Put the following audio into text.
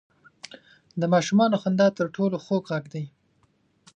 • د ماشومانو خندا تر ټولو خوږ ږغ دی.